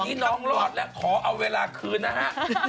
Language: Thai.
วันนี้น้องรอดแล้วขอเอาเวลาคืนนะฮะ